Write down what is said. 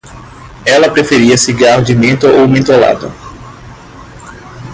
Ela preferia cigarro de menta ou mentolado